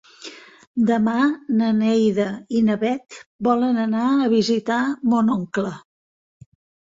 Demà na Neida i na Bet volen anar a visitar mon oncle.